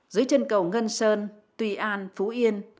dưới chân cầu ngân sơn tùy an phú yên